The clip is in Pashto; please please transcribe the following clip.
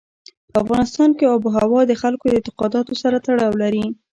په افغانستان کې آب وهوا د خلکو د اعتقاداتو سره تړاو لري.